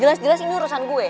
jelas jelas ini urusan gue